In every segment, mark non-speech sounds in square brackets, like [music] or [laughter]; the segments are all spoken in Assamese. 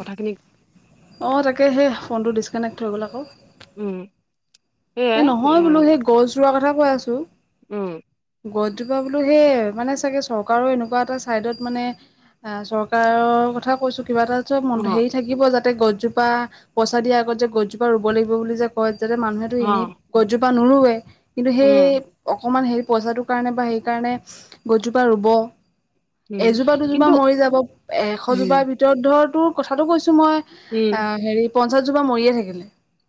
কথাখিনিক অ', তাকে সেই ফোনটো ডিছকানেক্ট হৈ গ'ল আকৌ। উম'। এ সেয়াই নহয় বোলো উম সেই গছ ৰোৱাৰ কথা কৈ আছোঁ। উম'। গছজোপা বোলো সেই মানে চাগে চৰকাৰো এনেকুৱা এটা চাইডত মানে অ', চৰকাৰৰ কথা কৈছো কিবা এটা চব ম অ হেৰি থাকিব যাতে গছজোপা পইচা দিয়া আগত যে গছজোপা ৰুব লাগিব বুলি যে কয় যাতে মানুহেতো অ এনেই গছজোপা নৰুৱে। কিন্তু সেই উম অকমান হেৰি পইচাটোৰ কাৰণে বা সেই কাৰণে গছজোপা ৰুব। উম এজোপা দুজোপা কিন্তু মৰি যাব উম এশজোপাৰ ভিতৰত ধৰ তোৰ কথাটো কৈছো মই উম অ', হেৰি পঞ্চাছজোপা মৰিয়ে থাকিলে।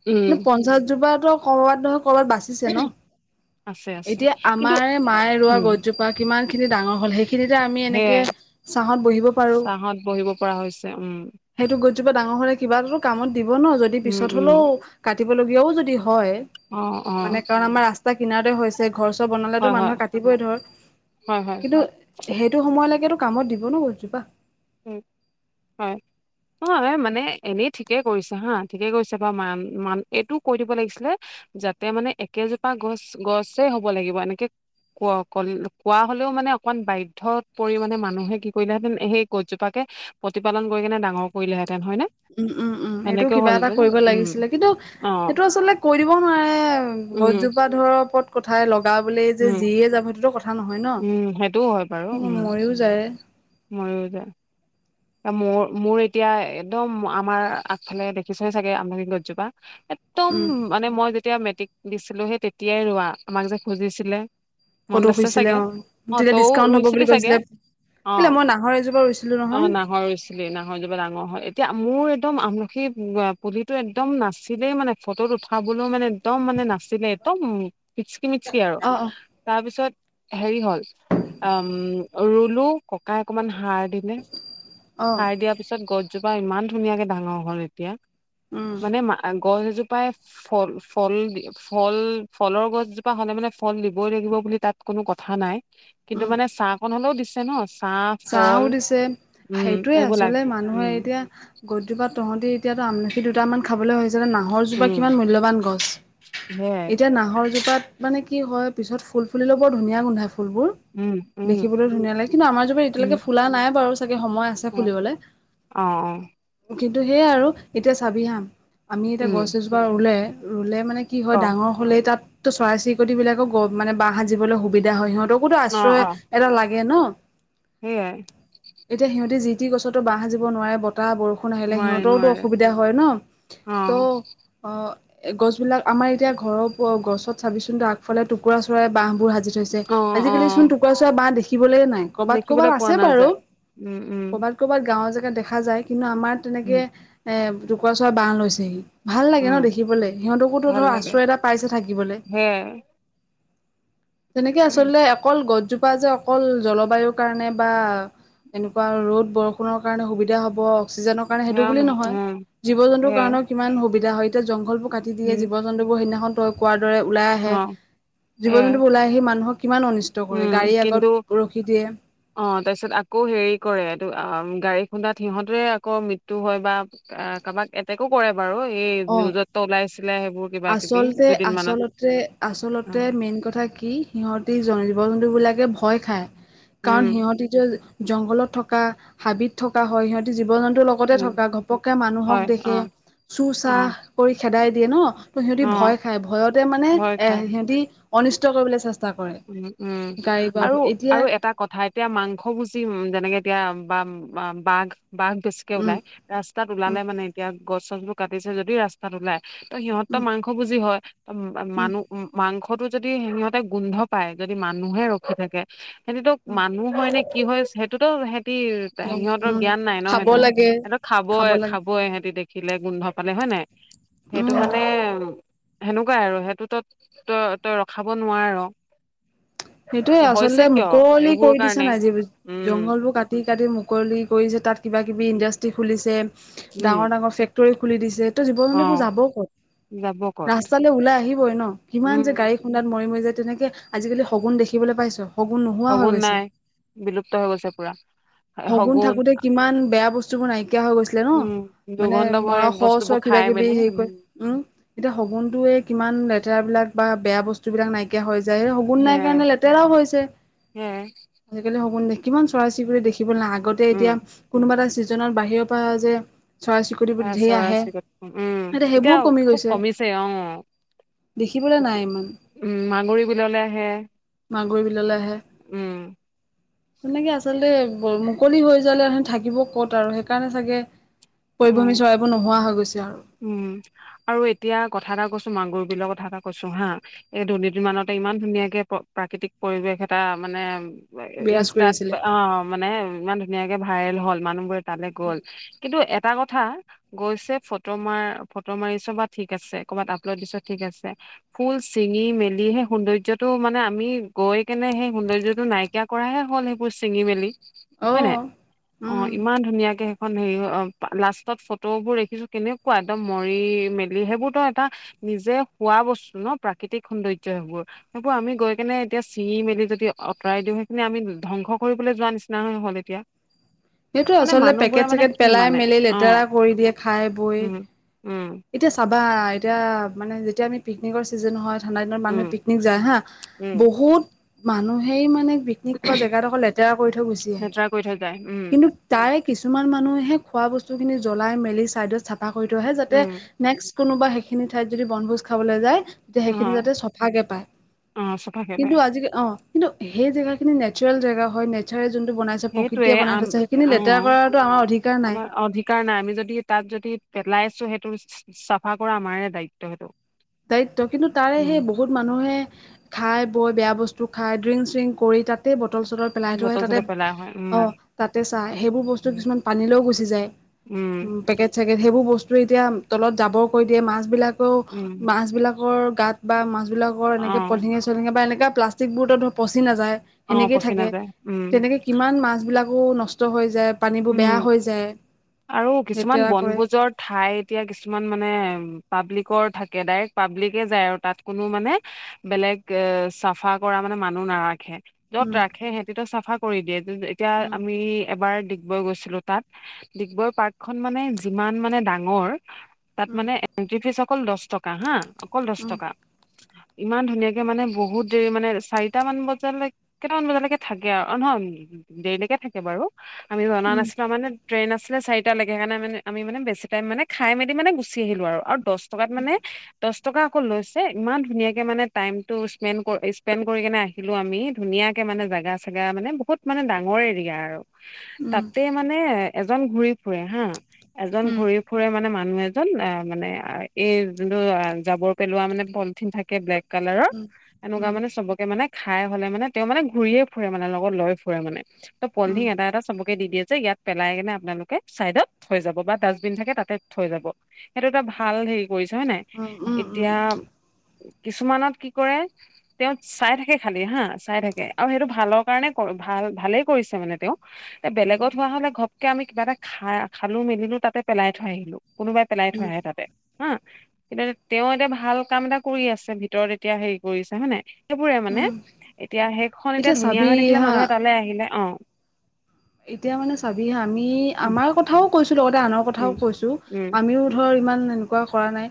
উম কিন্তু পঞ্চাছ জোপা ত ক'ৰবাত নহয় ক'ৰবাত বাচ [unintelligible] আছে-আছে। আমাৰ মায়ে ৰোৱা গছজোপা কিমানখিনি ডাঙৰ হ'ল সেইখ খিনিতে আমি এনেকে সেয়াই চাহত বহিব পাৰো। চাহত বহিব পৰা হৈছে উম সেইটো গছজোপা ডাঙৰ হলে কিবা এটাটো কামত দিব ন, যদি উম পিছত উম হলও কাটিবলগীয়াও যদি হয়, অ অ মানে কাৰণ আমাৰ ৰাস্তা কিনতে হৈছে ঘৰ নহলে টো হয় হয় মানুহে কাটিবই ধৰ, হয় হয় কিন্তু সেইটো সময়লৈকেতো কামত দিব ন গছজোপা। উম, হয়, অ', মানে এনেই ঠিকে কৰিছে হা, ঠিকে কৰিছে বাৰ মান-মান এইটো কৈ দিব লাগিছিলে যাতে মানে একেজোপা গছ গছে হব লাগিব এনেকে কোৱা [unintelligible] কোৱা হলেও মানে অকণমান বাধ্যত পৰি মানে মানুহে কি কৰিলেহেঁতেন সেই গছজোপাকে, প্ৰতিপালন কৰি কেনে ডাঙৰ কৰিলেহেঁতেন হয় নে? উম, উম, উম, এইটো সেনেকে কিবা এটা হ'লহেতেন কৰিব উম লাগিছিলে কিন্তু অ সেইটো আচলে কৈ দিব নোৱাৰে, উম গছজোপা ধৰক ওপৰত কথাই লগা বোলে যে উম যিয়ে যাব সেইটোতো কথা নহয় উম সেইটোও ন', মৰিও যায়। মৰিও যায়। আহ মোৰ-মোৰ এতিয়া একদম আমাৰ আগফালে দেখিছেই চাগে আমলখি গছজোপা এহ উম, মানে মই যেতিয়া মেট্ৰিক দিছিলো সেই তেতিয়াই ৰোৱা আমাক যে খুজিছিলে। ফটো মনত আছে খুজিছিলে চাগে অ, অ তেতিয়া তইও ডিছকাউণ্ট হ'ব ৰুইছিলি বুলি চাগে কৈছিলে, অ কেলে মই নাহৰ এজোপা ৰুইছিলোঁ অ নহয়। নাহৰ ৰুইছিলে নাহৰজোপা ডাঙৰ হ'ল এতিয়া মোৰ একদম আমলখি পুলিটো একদম নাছিলেই মানে ফটোত উঠাবলৈও মানে একদম মানে নাছিলে একদম মিচকি-মিচকি আৰু। অ অ তাৰপিছত হেৰি হ'ল, আম ৰুলো ককাই অকনমান সাৰ দিলে। অ সাৰ দিয়াৰ পিছত গছজোপা ইমান ধুনীয়াকে ডাঙৰ হল এতিয়া, উম মানে আহ গছজোপ পাই, ফল-ফল দিয়ে ফল-ফলৰ গছজোপা হ'লে মানে ফল দিবই লাগিব বুলি তাত কোনো কথা নাই। কিন্তু উম মানে ছাঁ অকন হ'লেও দিছে ন ছাঁ, ফল উম সেইটোৱেই এইবোৰ আচলে লাগে মানুহে উম এতিয়া গছজোপাত তহঁতি এতিয়াতো আমলখি দুটামান খাবলৈ হৈছ এতিয়া যে নাহৰজোপা উম কিমান মূল্যৱান গছ, সেয়াই এতিয়া নাহৰজোপাত মানে কি হয় পিছত ফুল ফুলিলেও বৰ ধুনীয়া গোন্ধাই ফুলবোৰ, উম উম দেখিবলৈ ধুনীয়া লাগে কিন্তু আমাৰ জোপা উম এতিয়ালৈকে ফুলা নাই বাৰু চাগে সময় আছে অ ফুলিবলে। অ অ কিন্তু সেয়ে আৰু এতিয়া চাবি হা, আমি এতিয়া উম গছ এজোপা ৰুলে, ৰুলে মানে কি ক হয় ডাঙৰ হ'লেই তাততো চৰাই চিৰিকটিবিলাকক মানে বাহ সাজিবলৈ সুবিধা হয় সিহঁতক বহুতো আশ্ৰয় এটা লাগে ন? সেয়াই। এতিয়া সিহঁতি যিটি গছতো বাহ সাজিব নোৱাৰে বতাহ, বৰষু ষুণ আহিলে নোৱাৰে সিহঁতৰতো নোৱাৰে অসুবিধা হয় ন' অ তো' অ, এ গছবিলাক আমাৰ এতিয়া ঘৰৰ গছত চাবিচোন আগফালে টুকুৰা চৰাই বাহবোৰ সাজি থৈছ অ অ আজিকালি চোন টুকুৰা চৰাই বাহ দেখিবলে নাই ক'বাত, ক'বাত দেখিবলৈ পোৱা আছে বাৰু, নাযায় উম উম ক'বাত ক'বাত গাঁৱৰ জেগাত দেখা যায় কিন্তু আমাৰ উম তেনেকে, এ টুকুৰা চৰাই বাহ লৈছেহি। ভাল লাগে উম ন' দেখিবলে সিহঁতকতো ভাল ধৰা লাগে আশ্ৰয় এটা পাইছে থাকিবলে। সেয়াই তেনেকে আচলতে অকল গছজোপা যে অকল জলবায়ুক কাৰণে বা, এনেকুৱা ৰ'দ, বৰষুণৰ কাৰণে সুবিধা হ'ব অক্সিজেনৰ কাৰণ সেইটো সেয়াও বুলি নহয়, উম জীৱ-জন্তুৰ সেয়াই কাৰণেও কিমান সুবিধা হয় এতিয়া জংঘলবোৰ কাটি দিয়ে উম জীৱ-জন্তুবোৰ সেইদিনাখন তই কোৱাৰ দৰে ওলাই অ আহে, সেয়াই জীৱ-জন্তুবোৰ ওলাই আহি মানুহক কিমান অনিষ ষ্ট কৰে উম, গাড়ী আগত, কিন্তু ৰখি দিয়ে। অ', তাৰপিছত আকৌ হেৰি কৰে এইটো আহ গাড়ী খুন্দাত সিহঁতৰে আকৌ মৃত্যু হয় বা আহ কাবাক এটেকো কৰে বাৰু ই অ নিউজতো ওলাই আছিলে সেইবোৰ কিবা কিবি দুদিনমানত। যে আচলতে অ', মেইন কথা কি সিহঁতি জ - জীৱ জন্তুবিলাকে ভয় খায় কাৰণ উম, সিহঁতি [unintelligible] জংঘলত থকা হাবিত থকা হয় সিহঁতি জীৱ জন্তুৰ লগতে উম, থকা ঘপককে মানুহক হয় দেখে। অ', চুৰ অ', চাহ কৰি খেদাই দিয়ে ন' ত'সিহঁতি অ', ভয় খায় ভয়তে মানে ভয় এ খাই। সিহঁতি অনিষ্ট কৰিবলৈ চেষ্ট উম, উম এতিয়া আৰু-আৰু এটা ক কথা এতিয়া মাংসভোজী উম যেনেকে এতিয়া বা বাঘ-বাঘ বেছিকে উম ওলাই। ৰাস্তাত উম ওলালে মানে এতিয়া গছ-চছবোৰ কাটিছে যদি ৰাস্তাত ওলায়। ত' সিহঁততো উম মাংসভোজী হয় [unintelligible] উম মানুহ মাংসটো যদি সিহঁতে গোন্ধ পাই যদি মানুহে ৰখি থাকে সেহঁতিতো মানুহ হয় নে কি হয় সেইটোতো সেহঁতি তে উম সিহঁতৰ উম জ্ঞান নাই ন' খাব সেইটো লাগে এটো খাব লাগে খাবই-খাবই সিহঁতি দেখি দেখিলে গোন্ধ পালে হয় নাই সেইটো উম মানে সেনেকুৱাই আৰু সেইটো ত' -তই- তই ৰখাব নোৱাৰ। সেইটোয়ে হৈছে আচলতে কিয় মুকলি এইবোৰ কৰি দিছে কাৰণে নাই যি উম জংঘল বোৰ কাট কাটি- কাটি মুকলি কৰিছে তাত কিবা- কিবি ইণ্ডাষ্ট্ৰি খুলিছে উম ডাঙৰ -ডাঙৰ ফেক ক্টৰী খুলি দিছে ত'জীৱ অ -জন্তুবোৰ যাব ক'ত যাব ক'ত ৰাস্তালে ওলাই আহিবই ন' কিমান উম যে গাড়ী খুন্দাত মৰি -মৰি যায় তেনেকে আজিকালি শগুন দেখিবলে পাইছোঁ। শগুন নাই বিলুপ্ত হৈ গৈছে পুৰা। শগুন থাকোতে কিমান বেয়া বস্তু বোৰ নাইকিয়া হৈ গৈছিলে ন' উম মানে দুৰ্গন্ধময় মৰা শ বস্তুবোৰ ওচৰত খাই মেলি কি উম, কয় উম এতিয়া শগুনতোয়ে কিমান লেতেৰা বিলাক বা বেয়া বস্তু বিলাক নাইকি কিয়া হৈ যায় সেই শগুন নাই সেয়াই কাৰণে লেতেৰাও হৈছে। সেয়াই আজিকালি [unintelligible] দে কিমান চৰাই চিৰিকটি দেখিবলে নাই আগতে উম এতিয়া কোনোবা এটা ছিজনত বাহিৰৰ পৰা যে চৰাই চিৰি আ, চৰাই চিৰিকটি উম, এতিয়া সেইবোৰো কমি খুব গৈছে কমিছে অ। দেখিবলৈ নাই ইমান উম, মাগুৰী বিললে আহে। মাগুৰী বিললে আহে। উম তেনেকে আচলতে মুকলি হৈ যালে থাকিব ক'ত আৰু সেইকাৰণে চাগে উম পৰিভ্ৰমি চৰাইবোৰ নোহোৱা হৈ গৈছে আৰু। উম, আৰু এতিয়া কথা এটা কৈছো মাগুৰ বিলৰ কথা এটা কৈছো হা এই দুৰ্নীতিৰ মানতে ইমান ধুনীয়াকে প্ৰাকৃতিক পৰিৱেশ এটা মানে বিৰাজ কৰি ইউষ্টাত আছিলে অ, মানে ইমান ধুনীয়াকে ভাইৰেল হ'ল মানুহবোৰে তালে গ'ল কিন্তু এটা কথা গৈছে ফট ফটো মাৰ ফটো মাৰিছ বা ঠিক আছে ক'বাত আপলড দিছ ঠিক আছে ফুল চিঙি মেলি সেই সৌন্দৰ্য্যতো মানে আমি গৈ কেনে সেই সৌন্দৰ্য্যতো নাই কিয়া কৰাহে হ'ল সেইবোৰ চিঙি মেলি। অ হয় নাই অ, উম ইমান ধুনীয়াকে সেইখন হেৰি অ, লাষ্টত ফটো বোৰ দেখিছোঁ কেনেকুৱা একদম মৰি মেলি সেইবোৰতো এটা নিজে খোৱা বস্তু ন' প্ৰাকৃতিক সৌন্দৰ্য্য সেইবোৰ। সেইবোৰ আমি গৈ কেনে এতিয়া চিঙি মেলি যদি অতৰাই দিওঁ সেইখিনি আমি ধ্বংস কৰিবলৈ যোৱা নিচিনা হে হ'ল এতিয়া। সেইটোৱে মানে আচলতে মানুহ বোৰে পেকেট মানে চেকেট কি পেলাই মানে মেলি অ। লেতেৰা কৰি দিয়ে খায় সেইবো উম- উম এতিয়া চাবা এতিয়া মানে যেতিয়া আমি পিকনিকৰ চিজেন হয় ঠাণ্ডা দিনৰত মানুহে উম, পিকনিক যায় হা উম, বহুত মানুহেই মানে পিক পিকনিক খোৱা জেগাদখৰ লেতেৰা কৰি থৈ গুচি আহে লেতেৰা কৰি থৈ যায় উম, কিন্তু তায়ে কিছুমান মানুহে খোৱা বস্তুখিনি জ্বলাই মেলি চাইদত চাফা কৰি থৈ আহে যাত উম, নেক্স কোনোবা সেইখিনি ঠাইত যদি বনভোজ খাবলে যায় তে সেইখিনি অ', যাওতে চফাকে পায় অ', চফাকে কিন্তু পায় আজিকা অ, কিন্তু সেই জেগা খিনি নেচাৰেল জেগা হয় নেচাৰে যোনটো বনাই যে সেইটোৱে প্ৰকৃতিয়ে বনাই আম থৈছে সেইখিনি লেতেৰা অ', কৰাৰতো আমাৰ অধিকাৰ নাই। [unintelligible] আমি যদি তাত যদি পেলাইছোঁ সেইটো চাফা কৰা আমাৰে দায়িত্ব সেইটো। দায়িত্ব কিন্তু তাৰে সে উম বহুত মানুহে খাই বৈ বেয়া বস্তু খাই ড্ৰিং- চিংক কৰি তাতেই বটল চটল পেলাই থুয়ে বটল তাতে, চটল পেলাই হয় উম অ, তাতে চাই সেইবোৰ বস্তু উম কিছুমান পানীলৈও গুচি যায়। উম, চাগে সেইবোৰ বস্তু এতিয়া তলত জাবৰ কৰি দিয়ে মাছ বিলাকেও উম, মাছবিলাকৰ গাত বা মাছবিলাকৰ অ এনেকে পলিঠিঙে চলিঠিঙে বা এনে প্লাষ্ট ষ্টিকবোৰতো পচি নাযায়, অ সেনেকয়ে পচি থাকে, নাযায় উম তেনেকে কিমান মাছবিলাকো নষ্ট হৈ যায়। পানীবোৰ উম, বেয়া হৈ যায় আৰু কিছুমান লেতেৰা কৰে বনভোজৰ ঠাইত এতিয়া কিছুমান মানে, পাব্লিকৰ থাকে ডাইৰেক্ট পাব্লিকে যায় আৰু তাত কোনো মানে বেলেগ এ চাফা কৰা মানে মানুহ নাৰাখে। যত উম ৰাখে সেহিতিতো চাফা কৰি দিয়ে এতিয়া উম আমি, এবাৰ ডিগ বৈ গৈছিলোঁ তাত, ডিগবৈ পাৰ্কখন মানে যিমান মানে ডাঙৰ, তাত উম মানে এ এন্ট্ৰী ফিছ অকল দশ টকা হা অকল দশ উম টকা। ইমান ধুনীয়াকৈ মানে বহুত দেৰি মানে চাৰিটামান বাজালৈক কেইটামান বজালৈকে থাকে আৰু নহয়, দেৰিলৈকে থাকে বাৰু আমি জনা উম নাছিলো মানে ট্ৰেইন আছিল চাৰিটা লেইকে সেইকাৰণে আমি মানে বেছি টাইম মানে খাই মেলি মানে গুচি আহিলো আৰু দশ টকাত উম মানে দশ টকা অকল লৈছে ইমান ধুনীয়াকে মানে টাইমটো স্পেণ্ড স্পেণ্ড কৰি কেনে আহিলো আমি। ধুনীয়াকে মানে জাগা চাগা মানে বহুত মানে ডাঙৰ এৰিয়া আৰু। উম তাতে মানে এজন ঘুৰি ফুৰে হা, এজন উম ঘুৰি ফুৰে মানে মানুহ এজন আহ মানে এই যোনটো আহ জাবৰ পেলোৱা মানে পলিথিন থা কে ব্লেক কালাৰৰ, উম, এনেকুৱা উম, মানে চবকে মানে খাই হলে মানে তেওঁ মানে ঘূৰিয়ে ফুৰে মানে লগত লৈ ফুৰে মানে, ত' উম, পলথিন এটা এটা চবকে দি দিয়ে যে ইয়াত পেলাই কেনে আপোনালোকে চাইডত থৈ যাব বা ডাষ্টবিন থাকে তাতে থৈ যাব, সেইটো এটা উম, ভাল হেৰি কৰিছে হয় নাই, উম, উম, উম, এতিয়া উম, কিছুমানত কি কৰে তেওঁ চাই থাকে খালি হা চাই থাকে আৰু সেইটো ভালৰ কাৰণে ভাল ভালেই কৰিছে মানে তেওঁ। এ বেলেগত হোৱা হলে ঘপকে আমি কিবা এটা খা খালো মেলিলো তাতে পেলাই থৈ আহিলো কোনোবাই পেলাই থৈ আহে তাতে। হা, কিন্তু তেওঁ এতিয়া ভাল কাম এটা কৰি আছে ভিতৰত এতিয়া হেৰি কৰিছে হয় নে? সেইবোৰে মানে, উম। এতিয়া সেইখন এতিয়া ধুনীয়া চাবি হৈ থাকিলে হা মানুহে তালে আহিলে অ, এতিয়া মানে চাবি হা, আমি উম আমাৰ কথাও কৈছোঁ লগতে আনৰ কথাও উম কৈছোঁ, উম আমিও ধৰ ইমান এনেকুৱা কৰা নাই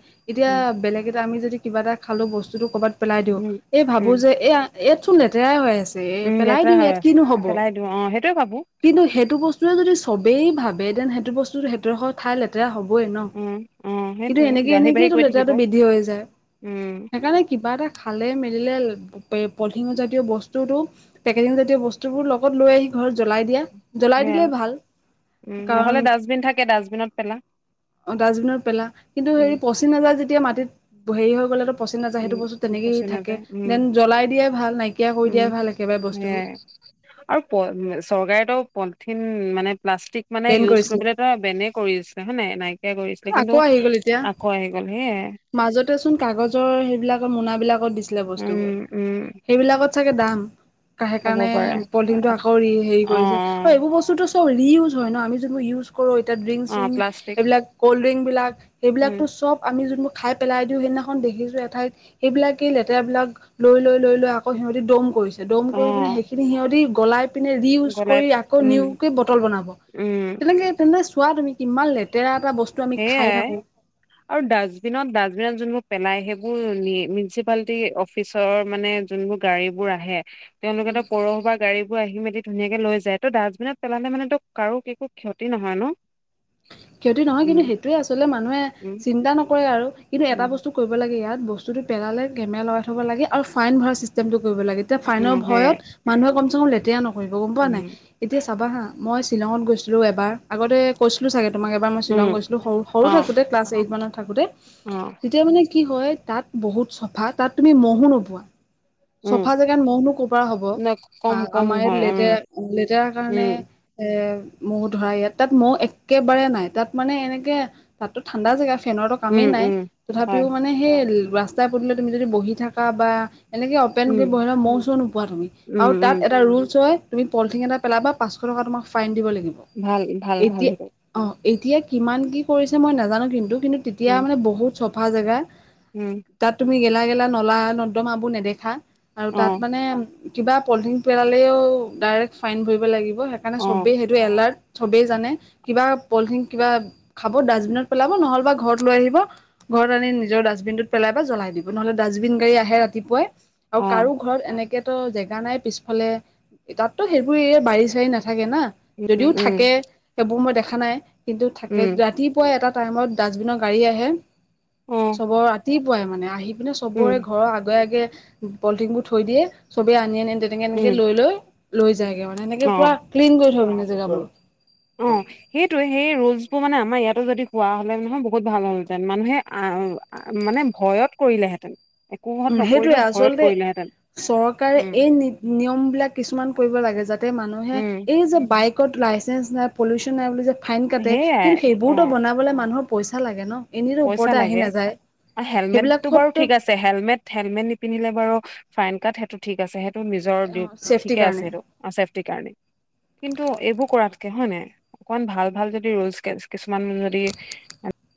উম এতিয়া বেলেগ এটা আমি, যদি কিবা এটা খালোঁ বস্তুটো ক'বাত পেলাই দিওঁ, উম এই ভাবো উম যে এ ইয়াত চোন লেতেৰাই হৈ আছে এ উম পেলাই লেতেৰা দিওঁ হৈ ইয়াত আছে কিনো হ'ব। পেলাই অ', সেইটোৱে ভাবো। কিন্তু সেইটো বস্তুয়ে যদি সবেই ভাবে দেন সেইটো বস্তু সেইটোৰ সত ঠাই লেতেৰা হ'বই ন? উম অ কিন্তু সেইটোয়ে এনেকে বাঢ়ি বাঢ়ি এনেকেইটো গৈ থাকিব লেতেৰাটো বৃদ্ধি হৈ যায়, উম সেইকাৰণে কিবা এটা খালে মেলিলে, পলিথিন জাতীয় বস্তুটো পেকেটিং জাতীয় বস্তুবোৰ লগত লৈ আহি ঘৰত জলাই দিয়া, জলাই সেয়া দিলে ভাল। উম নহ'লে কাৰণ, ডাষ্টবিন থাকে ডাষ্টবিনত পেলা ডাষ্টবিনত পেলা কিন্তু উম হেৰি পচ পচি নাযায় যেতিয়া মাটিত, হেৰি হৈ গলে। পচি নাযায় সেইটো বস্তু উম তেনেকেইে পচি থাকে, নাযায় উম দেন জ্বলাই দিয়াই ভাল নাইকিয়া কৰি উম দিয়াই ভাল একেবাৰে সেয়াই বস্তুবোৰ। আৰু পই চৰকাৰেতো পলিথিন, মানে প্লাষ্টিক মানে বেন ইউজ কৰিছিলে কৰিবলৈ বেনে কৰিছে হয় নে নাইকিয়া কৰিছিলে আকৌ কিন্তু, আহি গ'ল এতিয়া আকৌ আহি গ'ল সেইয়াই। মাজতে চোন কাগজৰ, সেইবিলাকৰ মোনাবিলাকত দিছিলে বস্তুবোৰ। উম উম সেইবিলাকত চাগে দাম কা হ'ব সেইকাৰণে পাৰে পলিথিনটো আকৌ ৰি হেৰি অ কৰিছে আৰু এইবোৰ বস্তুটো ত'ৰি ইউজ হয় ন'আমি যোনবোৰ ইউজ কৰো এতিয়া ড্ৰিংক অ অ প্লাষ্টিক চ্ৰিংক এইবিলাক কল্ড ড্ৰিংক বিলাক উম এইবিলাকতো চব আমি যোন খাই পেলাই দিওঁ সেইদিনাখন দেখিছোঁ এঠাইত সেইবিলাকে লেতেৰাবিলাক, লৈ লৈ লৈ লৈ আকৌ সিহঁতি দম কৰিছে। দম অ কৰি পিনে সেইখিনি সিহঁতি গলাই পিনে ৰি ইউজ গলাই কৰি আকৌ উম নিউকে বটল বনাব, উম তেনেকে তেনে চোৱা তুমি। কিমান লেতেৰা এটা বস সেয়াই। আৰু ডাষ্টবিনত- ডাষ্টবিনত যোনবোৰ পেলাই সেইবোৰ মিনচিপালতি অফ পিছৰ মানে যোনবোৰ গাড়ী বোৰ আহে উম তেওঁলোকেতো পৌৰসভা গাড়ী বোৰ আহি মেলি ধুনীয়াকে লৈ যায় ত' ডাষ্টবিনত পেলালে মানেতো কাৰো একো ক্ষতি নহয় ন'? ক্ষতি নহয় উম কিন্তু সেইটোৱে আচলতে মানুহে উম চিন্তা নকৰে আৰু কিন্তু এটা উম বস্তু কৰিব লাগে ইয়াত বস্তুটো পেলালে কেমেৰা লগাই থব লাগে আৰু ফাইন ভৰা চিষ্টেমটো কৰিব লাগে। তেতিয়া উম ফাইনৰ সেয়ে ভয়ত মানুহে কমচে কম লেতেৰা নকৰিব গম পোৱা নাই। উম এতিয়া চাবা হা মই শ্বিলঙত গৈছিলো এবাৰ আগতে কৈছিলো চাগে তোমাক এবাৰ মই শ্বিলং উম গৈছিলো সৰু- সৰু অ থাকোতে ক্লাছ এইট মানত থাকোতে অ তেতিয়া মানে কি হয় তাত বহুত চফা তাত তুমি ম'হহো নোপোৱা চফা উম জেগাত ম'হনো কৰপৰা হ'ব। ন আ, কম কম আমাৰ ইয়াত হয় উম লেতেৰা -লেতেৰা কাৰনে উম এ মও ধৰা ইয়াত তাত মও এক একেবাৰে নাই তাত মানে এনেকে তাততো ঠাণ্ডা জেগা ফেনৰতো উম কামেই নাই উম হয় তথাপিও মান মানে সেই ৰাস্তাই পদুলিয়ে তুমি যদি বহি থাকা বা এনেকে উম [unintelligible] মৌ চৌ নোপোৱা তুমি উম আৰু তাত উম এটা ৰুলচ হয় তুমি পলথিন এটা পেলাবা পাঁচশ টকা তোমাক ফাই দিব লাগিব। ভাল- ভাল -ভাল এতিয়া সেইটো। অ, এতিয়া কিমান কি কৰিছে মই নাজানো কিন্তু -কিন্তু তেতিয়া উম মানে বহুত চফা জেগা উম, তাত তুমি গেলা- গেলা নলা-নৰ্দমাবোৰ নেদেখা আৰু অ তাত মানে কিবা পলথিন পেলালেও ডাইৰেক্ট ফাইন ভৰিব লাগিব সেইকাৰণে অ চবেই সেইটো এলাৰ্ট চবেই জানে কিবা পলিথিন কিবা খাব ডাষ্টবিনত পেলাব নহ'লে বা ঘৰত লৈ আহিব গৰত আনি নিজৰ ডাষ্টবিনটোত পেলাই বা জ্বলাই দিব নহলে ডাষ্টবিন গাড়ী আহে ৰাতিপুৱাই আৰু অ কাৰো ঘৰত এনেকেতো জেগা নাই পিছফালে তাততো সেইবোৰ এ বাৰী- চাৰী নেথাকে না উম যদিও উম থাকে সেইবোৰ মই দেখা নাই কিন্তু থাকে উম ৰাতি পুৱাই এটা টাইমত ডাষ্টবিনৰ গাড়ী আহে অ চবৰ ৰাতিপুৱাই মানে আহি পিনে উম চবৰে ঘৰৰ আগে- আগে পলিথিনবোৰ থৈ দিয়ে চবে আনি -আনি তেনেকে -তেনেকে উম লৈ লৈ লৈ যায়গে মানে এনেকে অ পুৰা ক্লিন কৰি থয় মানে জেগাবোৰ। অ, সেইটোয়ে সেই ৰোলচবোৰ মানে আমাৰ ইয়াতো যদি পোৱা হ'লে নহয় বহুত ভাল হ'লহেঁতেন মানুহে আহ মানে ভয়ত কৰিলেহেঁতেন। একোহত উম, সেইটোৱে নকৰিলেও ভয়ত আচলতে কৰিলেহেঁতেন চৰকাৰে উম এই নিয়ম বিলাক কিছুমান কৰিব লাগে যাতে মানুহে উম এই যে বাইক ক'ত লাইচেন্ঞ্চ নাই পলিউচন নাই বুলি যে ফাইন কাটে সেইয়াই কিন্তু অ সেইবোৰতো বনাবলে মানুহৰ পইচা লাগে ন' এনেতো পইচা ওপৰতে আহি লাগে নাযায় সেইবিলাক [unintelligible] যে হেলমেট- হেলমেট নিপিন্ধিলে বাৰো ফাইন কাত সেইটো ঠিক আছে স [unintelligible] নিজৰ দীপ চেফটিৰ ঠিকে আছে কাৰণে সেইটো অ, চেফটিৰ কাৰণে কিন্তু এইবোৰ কৰাতকে হয় নাই অকমান ভাল- ভাল যদি ৰোলচ কেচ কিছুমান যদি